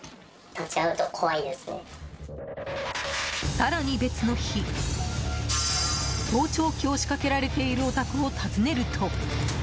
更に、別の日盗聴器を仕掛けられているお宅を訪ねると。